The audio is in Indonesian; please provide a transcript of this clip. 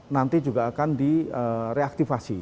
nanti juga akan direaktivasi